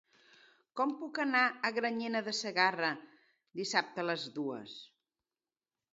Com puc anar a Granyena de Segarra dissabte a les dues?